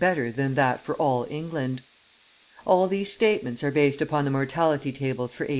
better than that for all England. All these statements are based upon the mortality tables for 1843.